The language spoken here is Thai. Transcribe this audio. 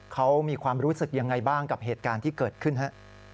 เขามีความรู้สึกยังไงบ้างกับเหตุการณ์ที่เกิดขึ้นฮะ